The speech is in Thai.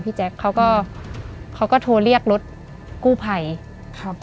แจ๊คเขาก็เขาก็โทรเรียกรถกู้ภัยครับ